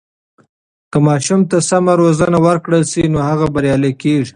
که ماشوم ته سمه روزنه ورکړل سي، نو هغه بریالی کیږي.